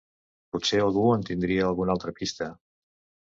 Potser algú en tindria alguna altra pista...